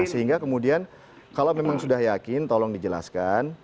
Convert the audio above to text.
sehingga kemudian kalau memang sudah yakin tolong dijelaskan